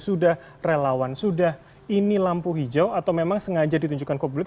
sudah relawan sudah ini lampu hijau atau memang sengaja ditunjukkan ke publik